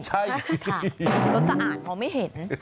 รถสะอาดมองไม่เห็น